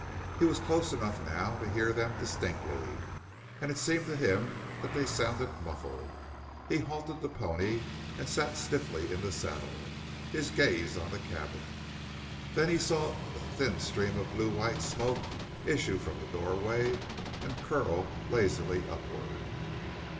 He was close enough now to hear them distinctly and it seemed to him that they sounded muffled. He halted the pony and sat stiffly in the saddle, his gaze on the cabin. Then he saw a thin stream of blue white smoke issue from the doorway and curl lazily upward.